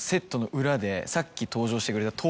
さっき登場してくれた。